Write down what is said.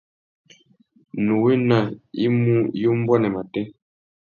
Nnú wena i mú ya umbuênê matê.